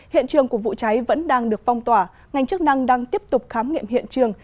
hiện trường của vụ cháy vẫn đang được phong tỏa ngành chức năng đang tiếp tục khám nghiệm hiện trường